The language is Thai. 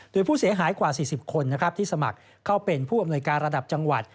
โดยผู้เสียหายกว่า๔๐คนที่สมัครเข้าเป็นผู้อำนวยการระดับจังหวัด